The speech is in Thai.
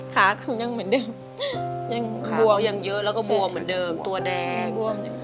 ขาคือยังเหมือนเดิมยังบวมยังเยอะแล้วก็บวมเหมือนเดิมตัวแดง